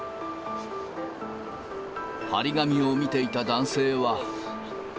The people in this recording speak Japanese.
貼り紙を見ていた男性は。